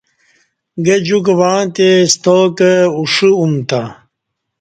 گہ جوک وعں تے ستاکہ اوݜہ امتہ